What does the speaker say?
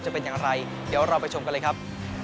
จะเป็นอย่างไรเดี๋ยวเราไปชมกันเลยครับ